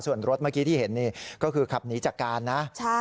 ส่วนรถเมื่อกี้ที่เห็นนี่ก็คือขับหนีจากการนะ